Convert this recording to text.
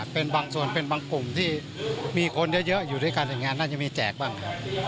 เป็นบางส่วนเป็นบางกลุ่มที่มีคนเยอะอยู่ด้วยการแต่งงานน่าจะมีแจกบ้างครับ